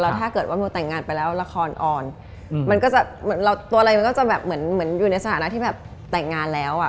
ถ้าเกิดว่าโมแต่งงานไปแล้วละครอ่อนมันก็จะเหมือนเราตัวอะไรมันก็จะแบบเหมือนอยู่ในสถานะที่แบบแต่งงานแล้วอ่ะ